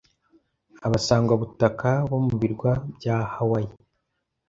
Abasangwabutaka bo mu birwa bya Hawaii